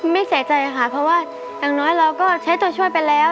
ไม่เสียใจค่ะเพราะว่าอย่างน้อยเราก็ใช้ตัวช่วยไปแล้ว